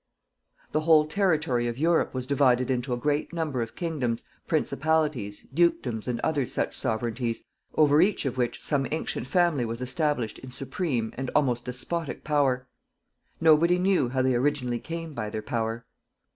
The whole territory of Europe was divided into a great number of kingdoms, principalities, dukedoms, and other such sovereignties, over each of which some ancient family was established in supreme and almost despotic power. Nobody knew how they originally came by their power.